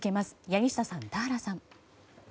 柳下さん、田原さん。